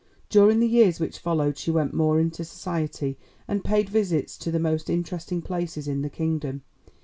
During the years which followed she went more into society and paid visits to the most interesting places in the kingdom.